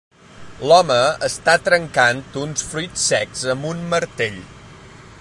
L'home està trencant uns fruits secs amb un martell.